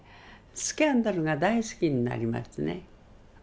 スキャンダルが大好きになりますね。